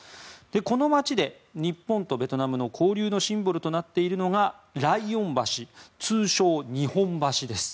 この街で日本とベトナムの交流のシンボルとなっているのが来遠橋、通称・日本橋です。